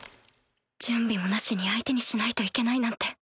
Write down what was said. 準備もなしに相手にしないといけないなんて